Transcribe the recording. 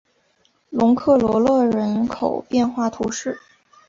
龙克罗勒人口变化图示